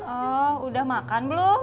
oh udah makan belum